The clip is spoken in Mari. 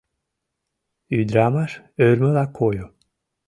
— Ӱдырамаш ӧрмыла койо.